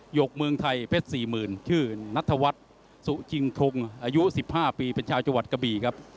กเมืองไทยเพชร๔๐๐๐ชื่อนัทวัฒน์สุจิงทงอายุ๑๕ปีเป็นชาวจังหวัดกะบี่ครับ